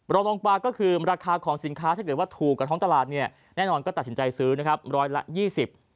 รองลงปลาก็คือราคาของสินค้าถ้าเกิดว่าถูกกระท้องตลาดแน่นอนก็ตัดสินใจซื้อ๑๒๐บาท